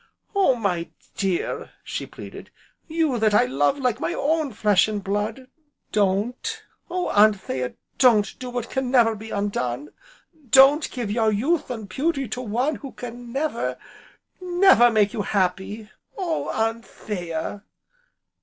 "Oh my dear!" she pleaded, "you that I love like my own flesh and blood, don't! Oh Anthea! don't do what can never be undone. Don't give your youth and beauty to one who can never never make you happy, Oh Anthea